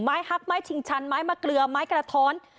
ฮักไม้ชิงชันไม้มะเกลือไม้กระท้อน